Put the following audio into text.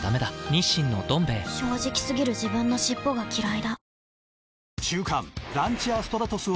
「日清のどん兵衛」正直過ぎる自分の尻尾がきらいだ